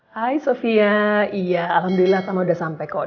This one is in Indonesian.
hai sofia iya alhamdulillah tama udah sampe kok